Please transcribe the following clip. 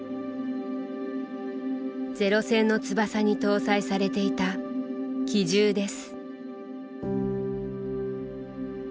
ゼロ戦の翼に搭載されていた機銃です。